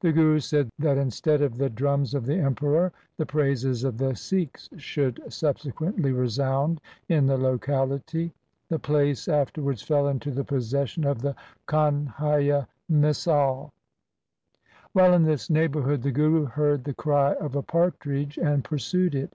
The Guru said that instead of the drums of the Emperor, the praises of the Sikhs should subse quently resound in the locality. The place after wards fell into the possession of the Kanhaiya Misal. 1 While in this neighbourhood the Guru heard the cry of a partridge and pursued it.